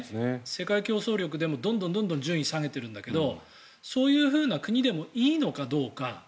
世界競争力でもどんどん順位を下げてるんだけどそういう国でもいいのかどうか。